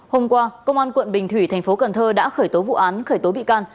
hôm qua công an quận bình thủy tp cn đã khởi tố vụ án khởi tố bị can